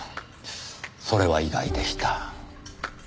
それは意外でした。